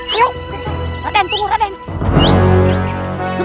ayo raden tunggu raden